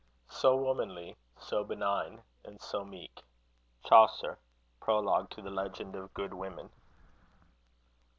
So womanly, so benigne, and so meek. CHAUCER. Prol. to Leg. of Good Women.